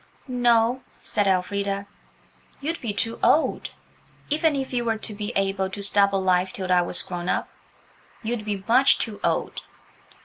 "No," said Elfrida; "you'd be too old–even if you were to be able to stop alive till I was grown up, you'd be much too old."